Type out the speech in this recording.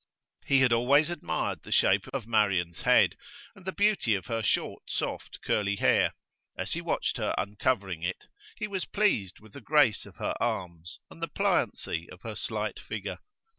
He had always admired the shape of Marian's head, and the beauty of her short, soft, curly hair. As he watched her uncovering it, he was pleased with the grace of her arms and the pliancy of her slight figure.